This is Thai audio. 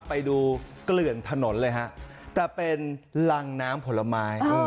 ไปดูเกลื่อนถนนเลยฮะแต่เป็นรังน้ำผลไม้